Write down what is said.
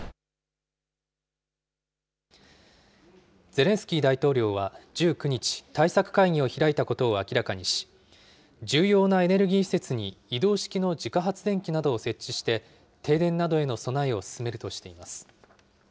ゼレンスキー大統領は１９日、対策会議を開いたことを明らかにし、重要なエネルギー施設に移動式の自家発電機などを設置して、停電などへの備えを進めるとしています。